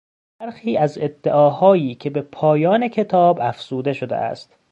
برخی از ادعاهایی که به پایان کتاب افزوده شده است.